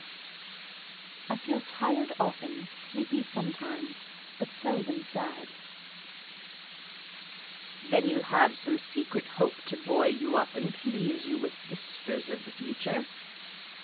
"I feel tired often, sleepy sometimes, but seldom sad." "Then you have some secret hope to buoy you up and please you with whispers of the future?"